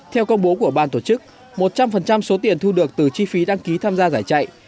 theo công bố của ban tổ chức một trăm linh số tiền thu được từ chi phí đăng ký tham gia giải chạy